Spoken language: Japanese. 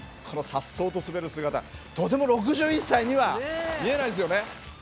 このさっそうと滑る姿とても６１歳には見えないですよね。